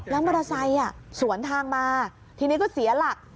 แล้วมอเตอร์ไซค์สวนทางมาทีนี้ก็เสียหลัก